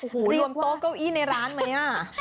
โอ้โหรวมโต๊ะเก้าอี้ในร้านไหม